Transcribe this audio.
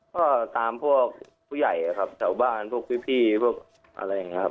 ก็ตามพวกผู้ใหญ่ครับแถวบ้านพวกพี่พวกอะไรอย่างนี้ครับ